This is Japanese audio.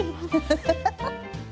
ハハハハハ。